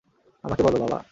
আমাকে বল - বাবা!